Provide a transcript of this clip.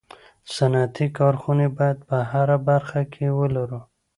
صنعتي کارخوني باید په هره برخه کي ولرو